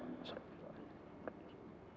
saya sendiri tidak mau memiliki hiburan